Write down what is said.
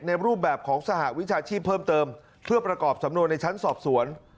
รูปแบบของสหวิชาชีพเพิ่มเติมเพื่อประกอบสำนวนในชั้นสอบสวน